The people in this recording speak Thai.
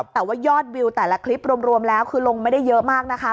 แต่ว่ายอดวิวแต่ละคลิปรวมแล้วคือลงไม่ได้เยอะมากนะคะ